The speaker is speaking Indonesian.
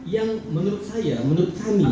yang menurut saya menurut kami